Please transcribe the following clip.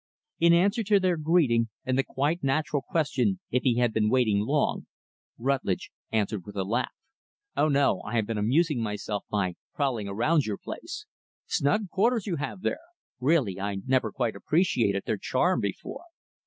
In answer to their greeting and the quite natural question if he had been waiting long, Rutlidge answered with a laugh. "Oh, no I have been amusing myself by prowling around your place. Snug quarters you have here; really, I never quite appreciated their charm, before."